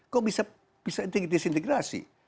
kok bisa disintegrasi